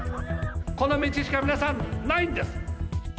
この道しか皆さん、ないんです。